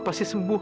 bapak pasti sembuh